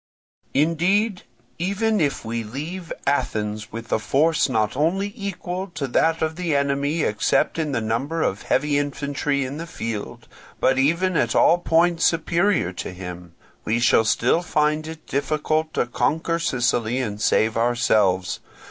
"Indeed, even if we leave Athens with a force not only equal to that of the enemy except in the number of heavy infantry in the field, but even at all points superior to him, we shall still find it difficult to conquer Sicily or save ourselves.